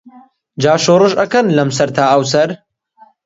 جا شۆڕش ئەکەن لەم سەر تا ئەوسەر